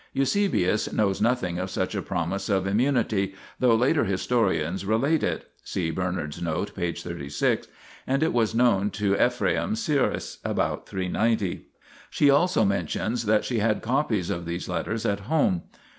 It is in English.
Eusebius knows nothing of such a promise of immunity, though later historians relate it (see Bernard's note, p. 36), and it was known to Ephraem Syrus (about 390). She also mentions that she had copies of these letters at home.